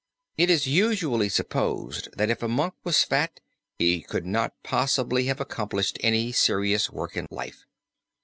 It is usually supposed that if a Monk was fat he could not possibly have accomplished any serious work in life.